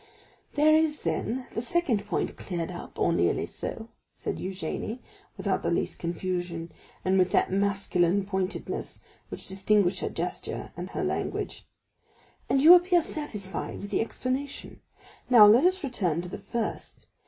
"There is, then, the second point cleared up, or nearly so," said Eugénie, without the least confusion, and with that masculine pointedness which distinguished her gesture and her language; "and you appear satisfied with the explanation. Now, let us return to the first.